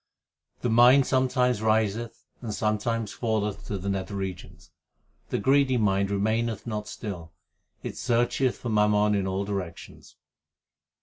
The mind sometimes riseth and sometimes falleth to the nether regions. 3 The greedy mind remaineth not still ; it searcheth for mammon in all directions.